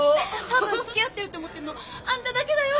たぶん付き合ってるって思ってるのあんただけだよ。